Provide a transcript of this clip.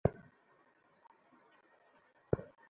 এ কেমন প্রতিক্রিয়া?